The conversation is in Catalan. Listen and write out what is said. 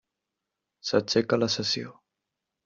S'aixeca la sessió.